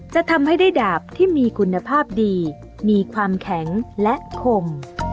จะทำให้ได้ดาบที่มีคุณภาพดีมีความแข็งและคม